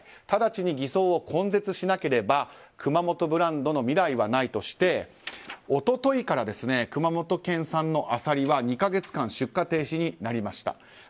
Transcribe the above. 直ちに偽装を根絶しなければ熊本ブランドの未来はないとして一昨日から熊本県産のアサリは２か月間出荷停止になりました。